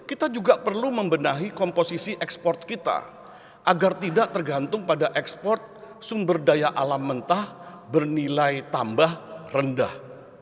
kita juga perlu membenahi komposisi ekspor kita agar tidak tergantung pada ekspor sumber daya alam mentah bernilai tambah rendah